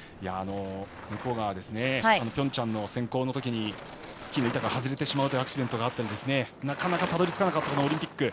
向川はピョンチャンの選考のときにスキーの板が外れてしまうアクシデントがあったりなかなかたどり着かなかったオリンピック。